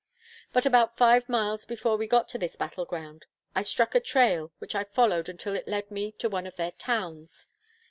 But about five miles before we got to this battle ground, I struck a trail, which I followed until it led me to one of their towns.